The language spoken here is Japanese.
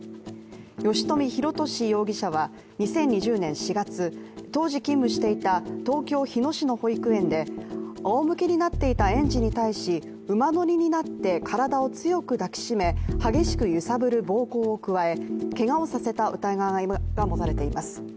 吉冨弘敏容疑者は２０２０年４月、当時勤務していた東京・日野市の保育園であおむけになっていた園児に対し、馬乗りになって体を強く抱きしめ激しく揺さぶる暴行を加えけがをさせた疑いが持たれています。